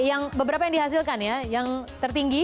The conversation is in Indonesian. yang beberapa yang dihasilkan ya yang tertinggi